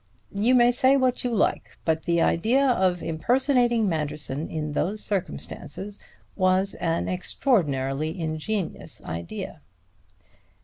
You may say what you like, but the idea of impersonating Manderson in those circumstances was an extraordinarily ingenious idea."